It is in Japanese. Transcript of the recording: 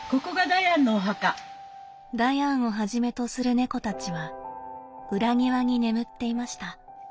ダヤンをはじめとする猫たちは裏庭に眠っていました。